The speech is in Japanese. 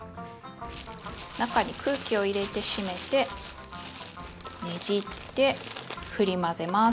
中に空気を入れて閉めてねじってふり混ぜます。